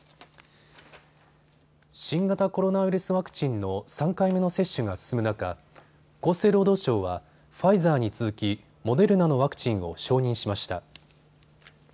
新型コロナウイルスワクチンの３回目の接種が進む中、厚生労働省はファイザーに続きモデルナのワクチンを承認しました。